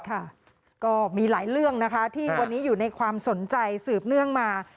ก็มีหลายเรื่องนะคะที่วันนี้อยู่ในความสนใจสืบเนื่องมา